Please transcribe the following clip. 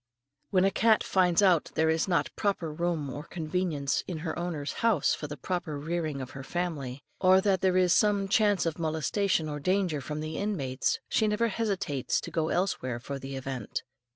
When a cat finds out that there is not proper room or convenience in her owner's house for the proper rearing of her family, or that there is some chance of molestation or danger from the inmates, she never hesitates to go elsewhere for the event.